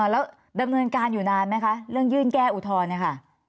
แล้วดำเนินการอยู่นานไหมคะเรื่องยื่นแก้อุทธรณ์เนี่ยค่ะ